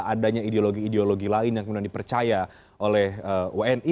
adanya ideologi ideologi lain yang kemudian dipercaya oleh wni